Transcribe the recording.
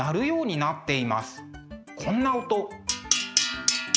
こんな音。